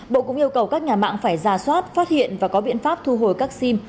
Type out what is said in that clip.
bộ cũng yêu cầu các nhà mạng phải ra soát phát hiện và có biện pháp thu hồi các sim